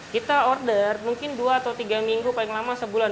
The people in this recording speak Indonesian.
kita order mungkin dua atau tiga minggu paling lama sebulan